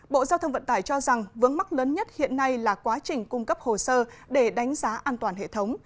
bộ giao thông vận tải cho rằng vướng mắt lớn nhất hiện nay là quá trình cung cấp hồ sơ để đánh giá an toàn hệ thống